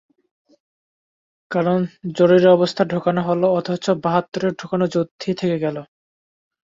কারণ, জরুরি অবস্থা ঢোকানো হলো, অথচ বাহাত্তরে ঢোকানো যুদ্ধই থেকে গেল।